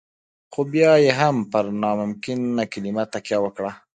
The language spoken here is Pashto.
خو بيا يې هم پر ناممکن کلمه تکيه وکړه.